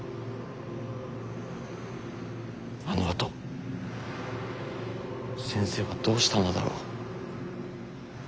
「あのあと先生はどうしたのだろう。